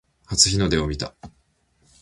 初日の出を見た